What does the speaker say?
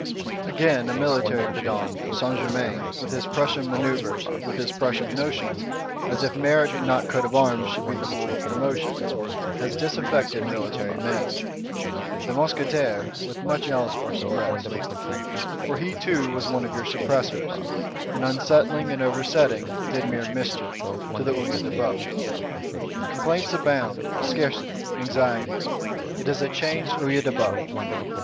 Again, a military pedant, Saint Germain, with his Prussian manœuvres; with his Prussian notions, as if merit and not coat of arms should be the rule of promotion, has disaffected military men; the Mousquetaires, with much else are suppressed: for he too was one of your suppressors; and unsettling and oversetting, did mere mischief—to the Œil de Bœuf. Complaints abound; scarcity, anxiety: it is a changed Œil de Bœuf.